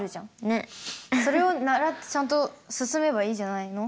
それをならってちゃんと進めばいいんじゃないの？